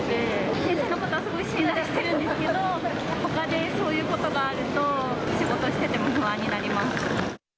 先生のことはすごく信頼してるんですけど、ほかでそういうことがあると、仕事してても不安になります。